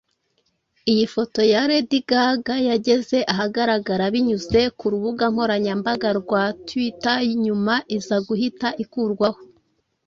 Iyi foto ya Lady Gaga yageze ahagaragara binyuze ku rubuga nkoranyambaga rwa twitter nyuma iza guhita ikurwaho